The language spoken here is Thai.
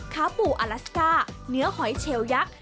ขาปูอลัสก้าเนื้อหอยเชลยักษ์